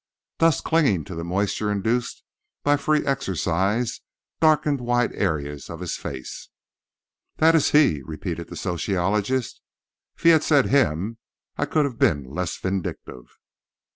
Dust clinging to the moisture induced by free exercise, darkened wide areas of his face. "That is he," repeated the sociologist. If he had said "him" I could have been less vindictive.